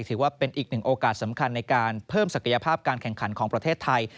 ถือว่าเป็นอีกหนึ่งโอกาสสำคัญในการเพิ่มศักยภาพการแข่งขันของประเทศไทย